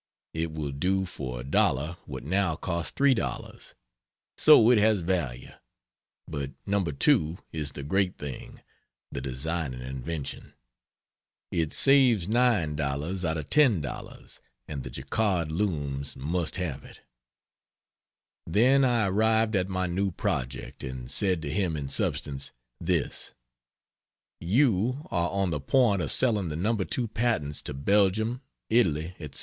It will do for $1 what now costs $3. So it has value, but "No. 2" is the great thing (the designing invention.) It saves $9 out of $10 and the jacquard looms must have it. Then I arrived at my new project, and said to him in substance, this: "You are on the point of selling the No. 2 patents to Belgium, Italy, etc.